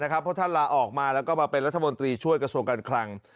เพราะท่านลาออกมาแล้วก็มาเป็นรัฐมนตรีช่วยกระทรวงการคลัง